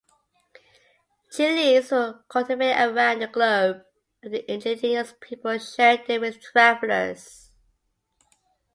Chilies were cultivated around the globe after Indigenous people shared them with travelers.